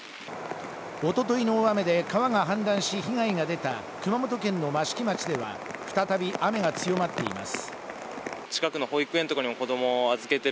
おとといの大雨で川が氾濫し被害が出た熊本県の益城町では再び雨が強まっています。